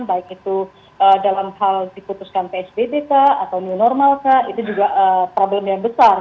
baik itu dalam hal diputuskan psbb kah atau new normal kah itu juga problem yang besar